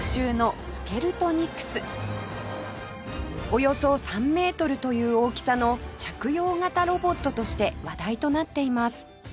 およそ３メートルという大きさの着用型ロボットとして話題となっています